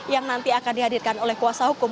yang nanti akan dihadirkan oleh kuasa hukum